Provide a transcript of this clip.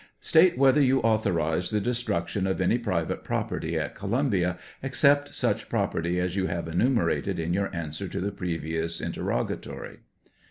State whether you authorized the destruction of any private property at Columbia, except such property as you have enumerated in your answer to the previous interrogatory?